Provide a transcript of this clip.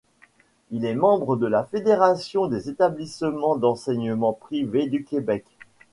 Il est membre de la Fédération des établissements d'enseignement privés du Québec.